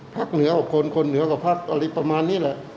ภักดิ์เหนือออกคนคนเหนือก็ภักดิ์อะไรประมาณนี้แหละ